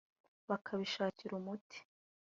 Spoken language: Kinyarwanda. bakabishakira umuti